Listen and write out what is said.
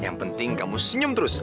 yang penting kamu senyum terus